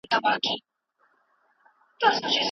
کنفوسوس په ختيځ کي تر ټولو ستر عالم و.